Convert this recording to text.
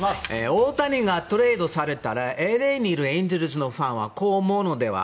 大谷がトレードされたらＬＡにいるエンゼルスのファンはこう思うのでは。